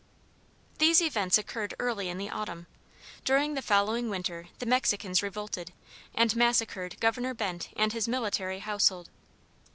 These events occurred early in the autumn. During the following winter the Mexicans revolted, and massacred Governor Bent and his military household.